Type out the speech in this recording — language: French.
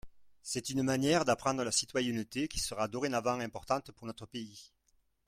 C’est une manière d’apprendre la citoyenneté qui sera dorénavant importante pour notre pays.